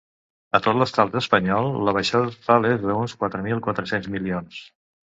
A tot l’estat espanyol, la baixada total és d’uns quatre mil quatre-cents milions.